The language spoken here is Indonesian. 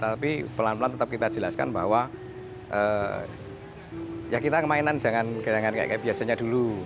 tapi pelan pelan tetap kita jelaskan bahwa ya kita kemainan jangan kayak biasanya dulu